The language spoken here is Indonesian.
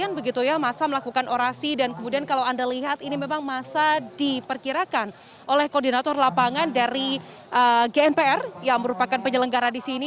kemudian begitu ya masa melakukan orasi dan kemudian kalau anda lihat ini memang masa diperkirakan oleh koordinator lapangan dari gnpr yang merupakan penyelenggara di sini